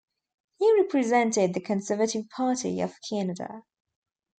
He represented the Conservative Party of Canada.